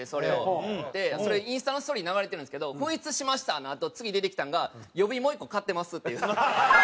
それインスタのストーリーに流れてるんですけど「紛失しました」のあと次出てきたのが「予備もう１個買ってます」っていう。